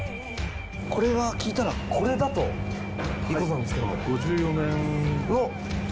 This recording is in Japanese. これ聞いたらこれだということなんですけども。